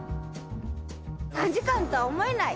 ３時間とは思えない。